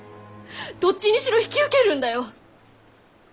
どっちにしろ引き受けるんだよ！